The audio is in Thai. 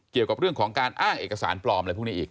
เกี่ยวกับเรื่องของการอ้างเอกสารปลอมอะไรพวกนี้อีก